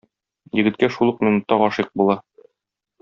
Егеткә шул ук минутта гашыйк була.